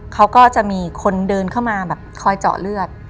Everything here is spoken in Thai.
เขาก็จะมีคนเดินเข้ามาแบบคอยเจาะเลือด